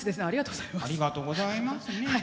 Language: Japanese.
ありがとうございますね。